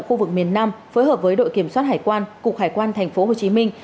khu vực miền nam phối hợp với đội kiểm soát hải quan cục hải quan thành phố hồ chí minh